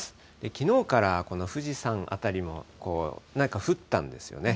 きのうからこの富士山辺りの何か降ったんですよね。